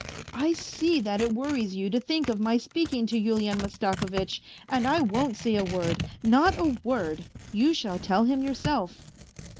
I see that it worries you to think of my speaking toYulian Mastakovitch and I won't say a word, not a word, you shall tell him yourself.